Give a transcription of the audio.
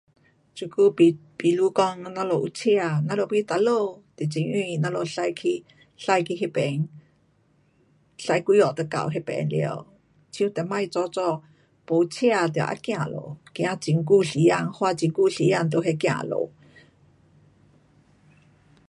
这久，比，比如讲我们有车，我们要去哪里都会容易，我们驾去，驾去那边，驾几下就到那边了。像以前早早，没车，得啊走路，走很久时间，花很多时间在那走路。